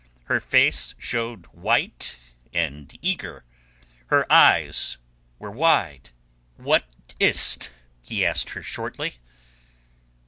Her face showed white and eager, her eyes were wide. "What is't?" he asked her shortly.